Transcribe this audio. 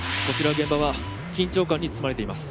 現場は緊張感に包まれています